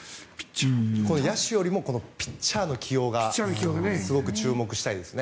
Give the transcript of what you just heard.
野手よりもピッチャーの起用にすごく注目したいですね。